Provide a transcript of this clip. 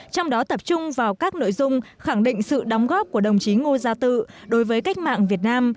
trong đó tập trung vào các nội dung khẳng định sự đóng góp của đồng chí ngô gia tự đối với cách mạng việt nam